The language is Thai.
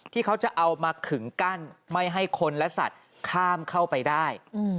ที่เขาจะเอามาขึงกั้นไม่ให้คนและสัตว์ข้ามเข้าไปได้